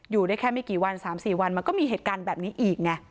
อยู่ได้แค่ไม่กี่วัน๓๔วันมันก็มีเหตุการณ์แบบนี้อีกไง